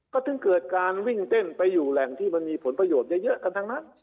ก็ถึงเกิดการวิ่งเต้นไปอยู่แหล่งที่มันมีผลประโยชน์เยอะกันทั้งนั้น